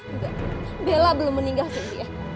enggak bella belum meninggal siva